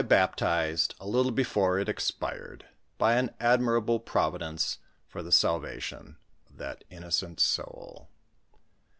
baptized a little before it expired, by an admirable Providence for the salvation of that innocent sonl.